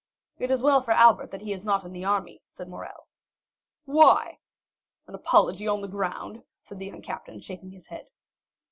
"It is well for Albert he is not in the army," said Morrel. "Why?" "An apology on the ground!" said the young captain, shaking his head.